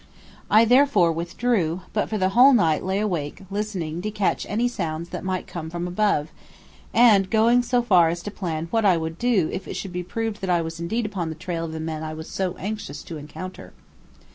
I therefore withdrew, but for the whole night lay awake listening to catch any sounds that might come from above, and going so far as to plan what I would do if it should be proved that I was indeed upon the trail of the men I was so anxious to encounter.